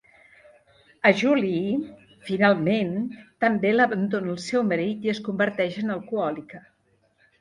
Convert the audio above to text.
A Julie, finalment, també l'abandona el seu marit i es converteix en alcohòlica.